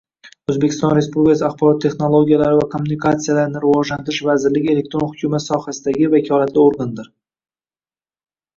O‘zbekiston Respublikasi Axborot texnologiyalari va kommunikatsiyalarini rivojlantirish vazirligi elektron hukumat sohasidagi vakolatli organdir.